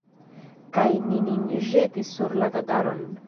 Kaj ni nin ĵetis sur la tataron.